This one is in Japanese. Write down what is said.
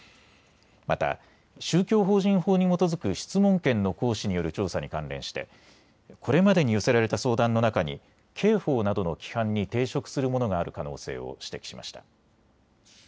また、宗教法人法に基づく質問権の行使による調査に関連してこれまでに寄せられた相談の中に刑法などの規範に抵触するものがある可能性を指摘しました。